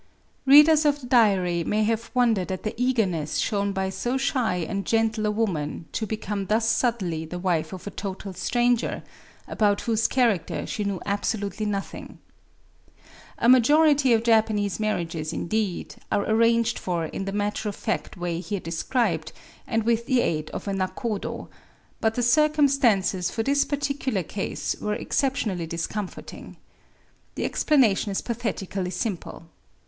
Readers of the diary may have wondered at the eagerness shown by so shy and gentle a woman to become thus suddenly the wife of a total stranger, about whose character she knew absolutely nothing. A majority of Japanese marriages, indeed, are arranged for in the matter of fact way here described, and with the aid of a nakodo ; but the circumstances, in this particular case, were exceptionally discom forting. The explanation is pathetically simple.